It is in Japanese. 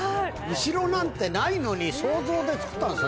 後ろなんてないのに想像で作ったんですね。